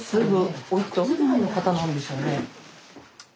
おいくつぐらいの方なんでしょうね？